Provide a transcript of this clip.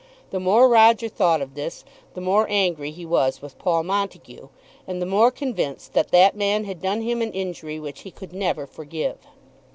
The more Roger thought of this, the more angry he was with Paul Montague, and the more convinced that that man had done him an injury which he could never forgive.